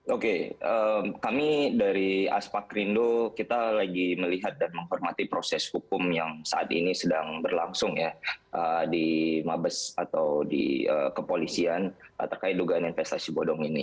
oke kami dari aspak rindo kita lagi melihat dan menghormati proses hukum yang saat ini sedang berlangsung ya di mabes atau di kepolisian terkait dugaan investasi bodong ini